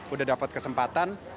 udah dapat kesempatan